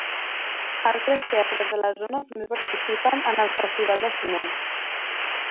Altres teatres de la zona també participen en el festival de cinema.